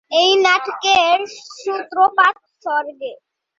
এ নাটকের সূত্রপাত স্বর্গে।